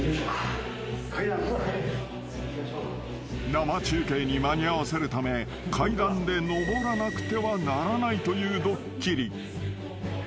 ［生中継に間に合わせるため階段で上らなくてはならないというドッキリ］